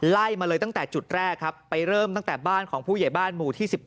ไล่มาเลยตั้งแต่จุดแรกครับไปเริ่มตั้งแต่บ้านของผู้ใหญ่บ้านหมู่ที่๑๘